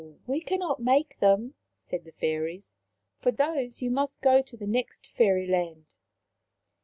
We cannot make them," said the Fairies. For those you must go to the next Fairy land."